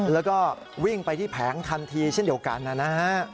แล้วก็วิ่งไปที่แผงทันทีเช่นเดียวกันนะฮะ